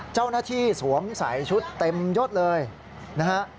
เจ้าหน้าที่สวมใส่ชุดเต็มยดเลยนะฮะ